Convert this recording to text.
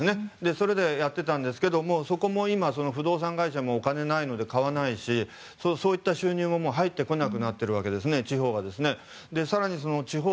それでやってたんですがそれも今、不動産会社はお金がないので買わないし、そういった収入も入ってこなくなっているわけです地方はですね。